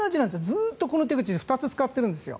ずっとこの手口で２つ使っているんですよ。